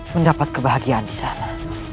mendapat kebahagiaan disana